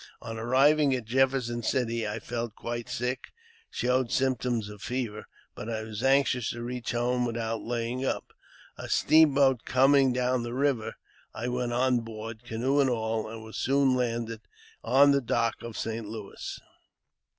On arriving at Jefferson City I felt quite sick, and showed symptoms of fever ; but I was anxious to reach home without laying up. A steamboat coming down the river, I went on board, canoe and all, and was soon landed on the dock of St. Louis.